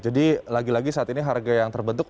jadi lagi lagi saat ini harga yang terbentuk